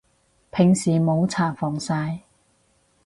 平時冇搽防曬